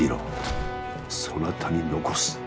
そなたに残す。